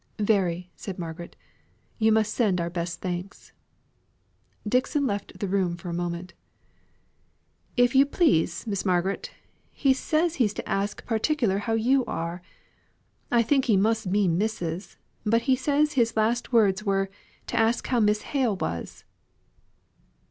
"Very," said Margaret. "You must send our best thanks." Dixon left the room for a moment. "If you please, Miss Margaret, he says he's to ask particular how you are. I think he must mean missus; but he says his last words were, to ask how Miss Hale was."